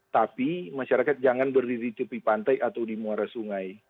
tapi masyarakat jangan berdiri di tepi pantai atau di muara sungai